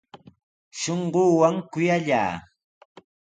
Taqay shipashtami llapan shunquuwan kuyallaa.